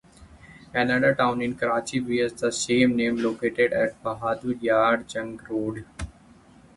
Another town in Karachi bears the same name, located at Bahadur Yar Jang Road.